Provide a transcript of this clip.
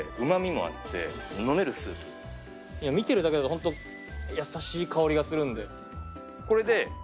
見てるだけだとホントやさしい香りがするんで。